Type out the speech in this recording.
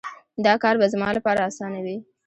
دا کار به زما لپاره اسانه وي